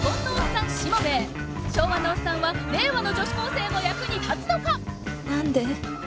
昭和のオッサンは令和の女子高生の役に立つのか！？何で？